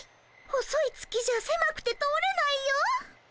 細い月じゃせまくて通れないよ。